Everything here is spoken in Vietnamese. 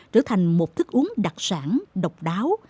trở thành một thức uống đặc sản độc đáo